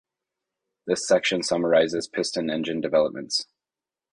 This section summarizes piston engine developments.